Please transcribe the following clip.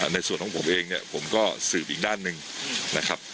ในส่วนของผมเองเนี่ยผมก็สืบอีกด้านหนึ่งนะครับ